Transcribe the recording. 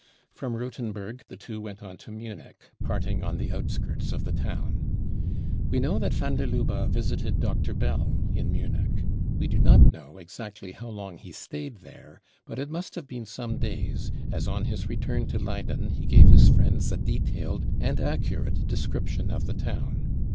From Rothenburg the two went on to Munich, parting on the outskirts of the town. We know that van der Lubbe * visited Dr. Bell in Munich. We do not know exactly how long he stayed there, but it must have been some days, as on his return to Leyden he gave his friends a detailed and accurate description of the town.